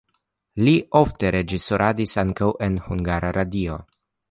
Li ofte reĝisoradis ankaŭ en Hungara Radio.